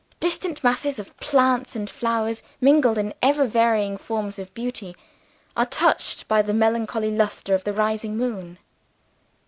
Distant masses of plants and flowers, mingled in ever varying forms of beauty, are touched by the melancholy luster of the rising moon.